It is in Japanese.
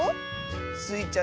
スイちゃん